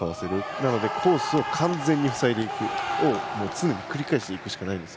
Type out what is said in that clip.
なのでコースを完全に塞いでいくことを常に繰り返していくしかないです。